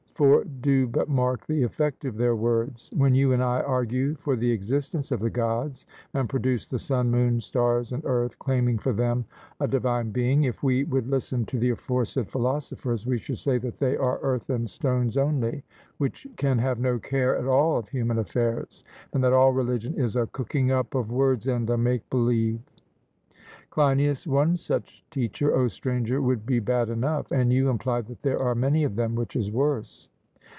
For do but mark the effect of their words: when you and I argue for the existence of the Gods, and produce the sun, moon, stars, and earth, claiming for them a divine being, if we would listen to the aforesaid philosophers we should say that they are earth and stones only, which can have no care at all of human affairs, and that all religion is a cooking up of words and a make believe. CLEINIAS: One such teacher, O stranger, would be bad enough, and you imply that there are many of them, which is worse.